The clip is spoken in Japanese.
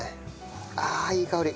ああいい香り！